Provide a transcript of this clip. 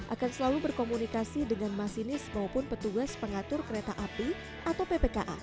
akan selalu berkomunikasi dengan masinis maupun petugas pengatur kereta api atau ppka